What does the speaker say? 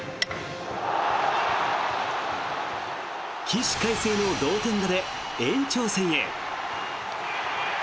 起死回生の同点打で延長戦へ。